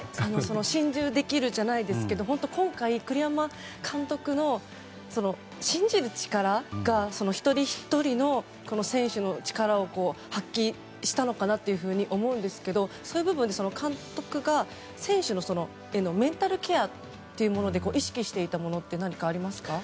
心中できるじゃないですけども今回、栗山監督の信じる力が一人ひとりの選手の力を発揮したのかなと思うんですけどそういう部分で監督が、選手へのメンタルケアっていうもので意識していたものは何かありますか？